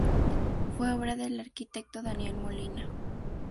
Fue obra del arquitecto Daniel Molina.